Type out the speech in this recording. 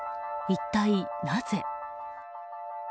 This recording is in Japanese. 一体なぜ。